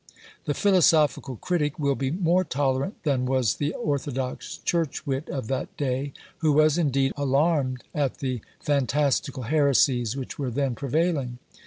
The philosophical critic will be more tolerant than was the orthodox church wit of that day, who was, indeed, alarmed at the fantastical heresies which were then prevailing.